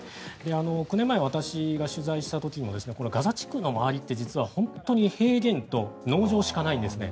９年前私が取材した時にもガザ地区の周りは本当に平原と農場しかないんですね。